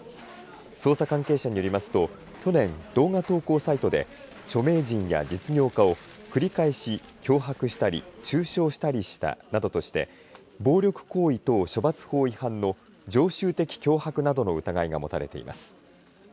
捜査関係者によりますと去年動画投稿サイトで著名人や実業家を繰り返し脅迫したり中傷したりしたなどとして暴力行為等処罰法違反の常習的脅迫などの疑いが持たれています。